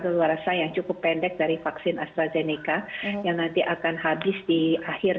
rasa rasa yang cukup pendek dari vaksin astrazeneca yang nanti akan habis di akhir